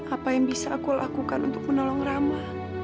apa yang bisa aku lakukan untuk menolong rama